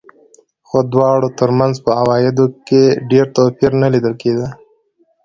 خو د دواړو ترمنځ په عوایدو کې ډېر توپیر نه لیدل کېده.